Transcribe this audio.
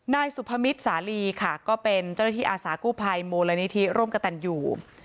นายสุพมิตรสาลีค่ะก็เป็นเจ้าหน้าที่อาสากู้ภัยมูลนิธิร่มกระตันอยู่